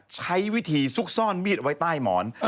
ใช้วิธีซุกซ่อนมีดไว้ใต้หมอน